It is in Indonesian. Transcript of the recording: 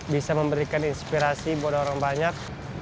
bisa memberikan inspirasi buat orang banyak